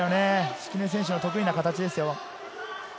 敷根選手の得意な形です。